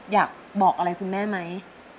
อยากบอกอะไรคุณแม่ไหม